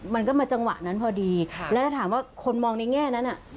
มันก็มาจังหวะนั้นพอดีแล้วถ้าถามว่าคนมองในแง่นั้น